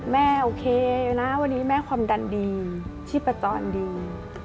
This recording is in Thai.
แม่โอเคนะวันนี้แม่ความดันดีชีพตอนดี